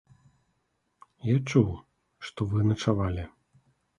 Я чуў, што вы начавалі.